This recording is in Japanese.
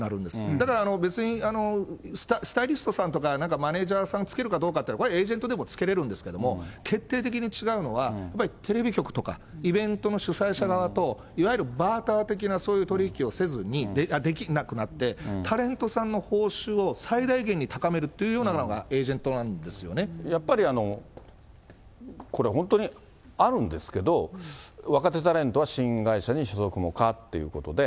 だから別にスタイリストさんとか、なんかマネージャーさんつけるかどうかって、これはエージェントでもつけれるんですけれども、決定的に違うのは、やっぱりテレビ局とかイベントの主催者側と、いわゆるバーター的なそういう取り引きをせずに、できなくなって、タレントさんの報酬を最大限に高めるというようなのがエージェンやっぱりこれ、本当にあるんですけど、若手タレントは新会社に所属も可ということで。